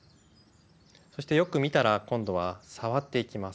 そしてよく見たら今度は触っていきます。